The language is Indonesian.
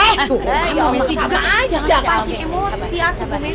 eh kamu mesin juga